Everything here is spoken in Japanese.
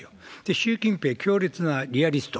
習近平、強烈なリアリスト。